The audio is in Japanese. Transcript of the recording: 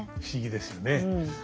不思議ですよね。